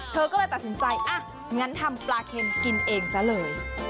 เธอก็เลยตัดสินใจอ่ะงั้นทำปลาเค็มกินเองซะเลย